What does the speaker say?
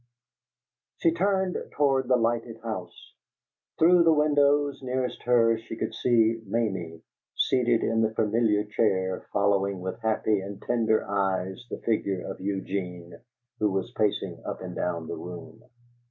She turned toward the lighted house. Through the windows nearest her she could see Mamie, seated in the familiar chair, following with happy and tender eyes the figure of Eugene, who was pacing up and down the room.